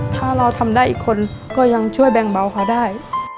ถ้าเราทำได้อีกคนก็ยังช่วยแบ่งเบาเขาได้